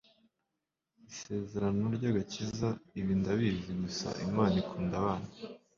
isezerano ry'agakiza.ibi ndabizi gusa, imana ikunda abana